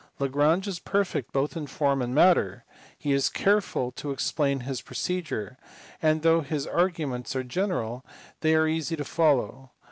Lagrange is perfect both in form and matter, he is careful to explain his procedure, and though his arguments are general they are easy to follow.